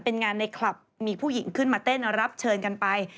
เป็นงานในคลับมีผู้หญิงขึ้นมาเต้นรับเชิญกันไป